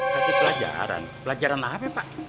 kasih pelajaran pelajaran lahap ya pak